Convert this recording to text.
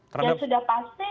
yang sudah pasti